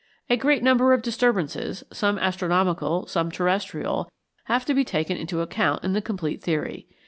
A great number of disturbances, some astronomical, some terrestrial, have to be taken into account in the complete theory.